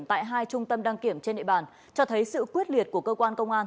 tại hai trung tâm đăng kiểm trên địa bàn cho thấy sự quyết liệt của cơ quan công an